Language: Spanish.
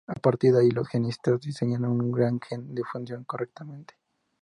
A partir de ahí, los genetistas diseñan un nuevo gen que funciona correctamente.